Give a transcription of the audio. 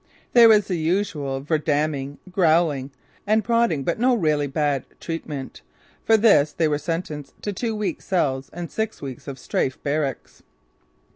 There was the usual verdamning, growling and prodding but no really bad treatment. For this they were sentenced to two weeks cells and six weeks of strafe barracks.